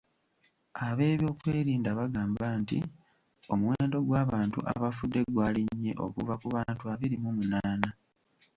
Ab’ebyokwerinda bagamba nti omuwendo gw’abantu abafudde gwalinnye okuva ku bantu abiri mu munaana.